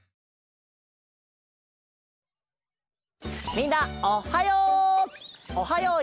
みんなおはよう！